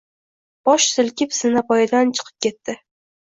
Bosh silkib, zinapoyadan chiqib ketdi